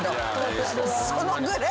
そのぐらい。